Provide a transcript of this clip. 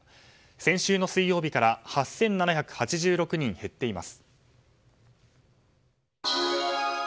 先週の水曜日から８７８６人減っています。